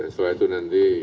setelah itu nanti